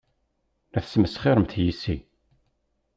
La tesmesxiremt yes-i.